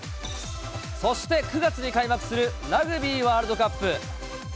そして９月に開幕するラグビーワールドカップ。